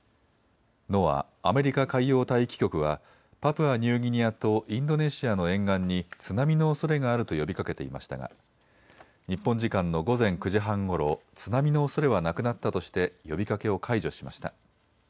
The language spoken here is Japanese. ＮＯＡＡ・アメリカ海洋大気局はパプアニューギニアとインドネシアの沿岸に津波のおそれがあると呼びかけていましたが日本時間の午前９時半ごろ津波のおそれはなくなったとして呼びかけを解除しました。